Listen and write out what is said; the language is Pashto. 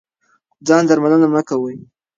ځان درملنه مه کوئ.